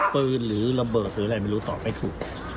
หรือระเบิดหรืออะไรไม่รู้ตอบไม่ถูก